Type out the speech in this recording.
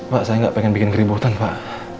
pak saya gak pengen bikin keributan pak